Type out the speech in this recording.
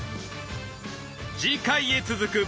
次回へ続く！